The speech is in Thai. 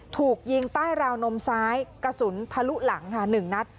ถูกยิงใต้ราวนมซ้ายกระสุนทะลุหลังค่ะ๑นัด